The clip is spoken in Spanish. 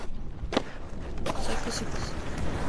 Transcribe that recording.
Secos y potentes.